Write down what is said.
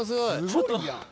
ちょっと。